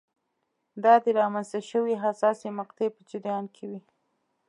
دا د رامنځته شوې حساسې مقطعې په جریان کې وې.